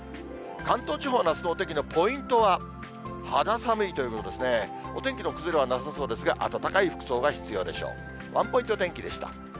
関東地方のあすのお天気のポイントは、肌寒いということでですね、お天気の崩れはなさそうですが、暖かい服装が必要でしょう。